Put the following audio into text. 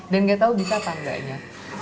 dan gak tau bisa apa angganya